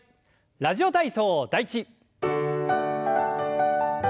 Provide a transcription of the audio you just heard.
「ラジオ体操第１」。